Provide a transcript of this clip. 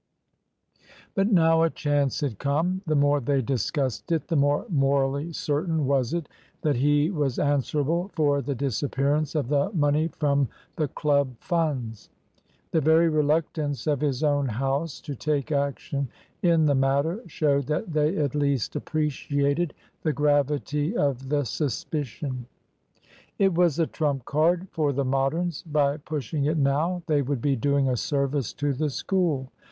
But now a chance had come. The more they discussed it, the more morally certain was it that he was answerable for the disappearance of the money from the Club funds. The very reluctance of his own house to take action in the matter showed that they at least appreciated the gravity of the suspicion. It was a trump card for the Moderns. By pushing it now, they would be doing a service to the School.